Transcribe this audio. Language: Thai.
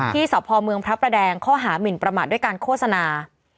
ที่สะพอเมืองพระแดงข้อหามินประหมัดด้วยการโฆษณา